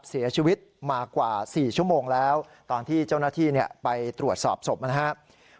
เสียชีวิตมากว่า๔ชั่วโมงแล้วตอนที่เจ้าหน้าที่ไปตรวจสอบศพนะครับ